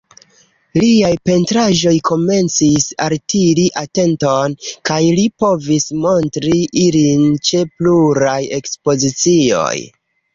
Liaj pentraĵoj komencis altiri atenton, kaj li povis montri ilin ĉe pluraj ekspozicioj.